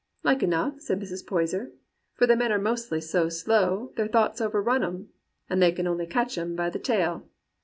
" *Like enough,' said Mrs. Poyser; *for the men are mostly so slow, their thoughts overrun 'em, an' they can only catch 'em by the tail.